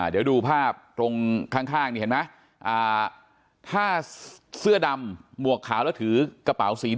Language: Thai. เดี๋ยวดูภาพตรงข้างนี้เห็นมั้ย